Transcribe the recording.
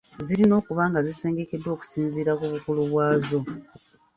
Zirina okuba nga zisengekeddwa okusinziira ku bukulu bwazo.